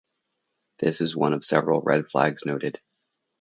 This was one of several red flags noted.